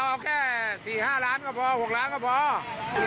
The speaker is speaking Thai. เอาแค่๔๕ล้านก็พอ๖ล้านก็พอ